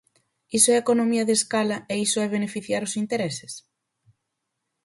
¿Iso é economía de escala e iso é beneficiar os intereses?